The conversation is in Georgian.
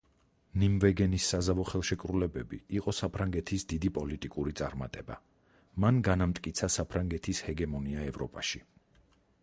ნიმვეგენის საზავო ხელშეკრულებები იყო საფრანგეთის დიდი პოლიტიკური წარმატება, მან განამტკიცა საფრანგეთის ჰეგემონია ევროპაში.